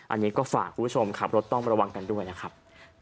อันนี้ก็ฝากคุณผู้ชมขับรถต้องระวังกันด้วยนะครับ